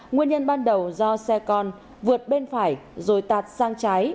nguyên nhân ban đầu do xe con vượt bên phải rồi tạt sang trái